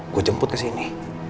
gua jemput kesini